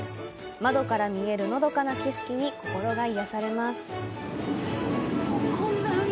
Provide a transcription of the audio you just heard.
窓から見えるのどかな景色に心が癒やされます。